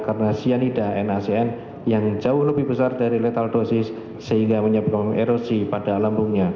karena cyanidae nsn yang jauh lebih besar dari lethal dosis cyanidae